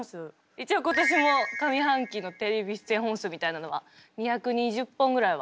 一応今年も上半期のテレビ出演本数みたいなのは２２０本ぐらいは。